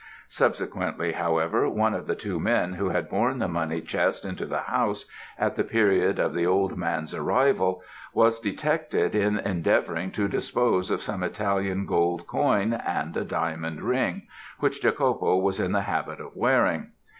Subsequently, however, one of the two men who had borne the money chest into the house, at the period of the old man's arrival, was detected in endeavouring to dispose of some Italian gold coin and a diamond ring, which Jacopo was in the habit of wearing.